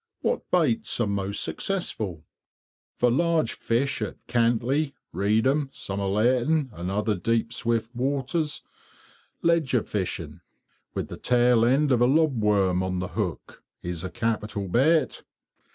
What baits are most successful_? For large fish at Cantley, Reedham, Somerleyton, and other deep swift waters, ledger fishing, with the tail end of a lobworm on the hook, is a capital bait.